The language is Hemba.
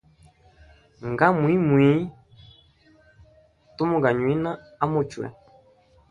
Nga mwiimwii, tumu ganywina a muchwe.